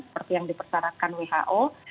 seperti yang dipersyaratkan who